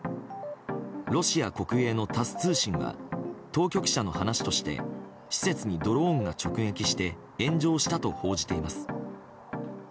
ロシア国営のタス通信は当局者の話として施設にドローンが直撃して炎上したと報じています。